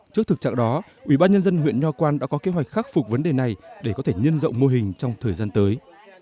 trước thực trạng đó ủy ban nhân dân huyện nho quang đã có kế hoạch khắc phục vấn đề này để có thể nhân rộng mô hình trong thời gian tới